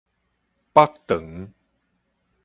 腹腸